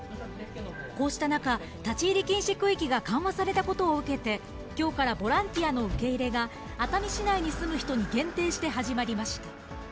こうした中、立ち入り禁止区域が緩和されたことを受けて、きょうからボランティアの受け入れが、熱海市内に住む人に限定して始まりました。